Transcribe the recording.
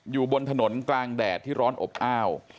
อยู่บนถนนกลางแดดที่ร้อนอบอ้าว